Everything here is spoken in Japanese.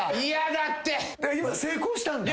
今成功したんだ。